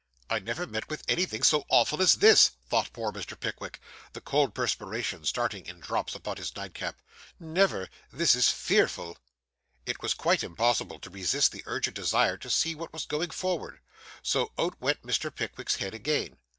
'I never met with anything so awful as this,' thought poor Mr. Pickwick, the cold perspiration starting in drops upon his nightcap. 'Never. This is fearful.' It was quite impossible to resist the urgent desire to see what was going forward. So out went Mr. Pickwick's head again.